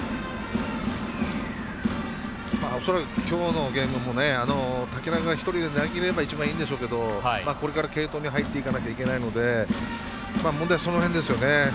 恐らく今日のゲームも瀧中が１人で投げればいいんでしょうけどこれから継投に入っていかなきゃいけないので問題は、その辺ですよね。